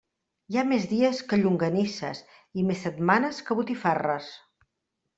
Hi ha més dies que llonganisses i més setmanes que botifarres.